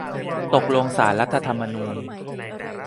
ตกลงศาลรัฐธรรมนูญ